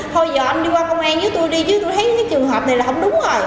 thôi giờ anh đi qua công an với tôi đi chứ tôi thấy cái trường hợp này là không đúng rồi